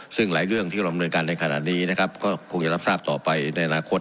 ซึ่งหลายเรื่องที่เราดำเนินการในขณะนี้นะครับก็คงจะรับทราบต่อไปในอนาคต